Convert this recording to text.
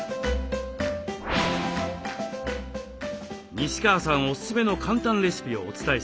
西川さんおすすめの簡単レシピをお伝えします。